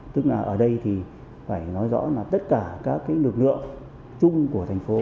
tức là ở đây thì phải nói rõ là tất cả các lực lượng chung của thành phố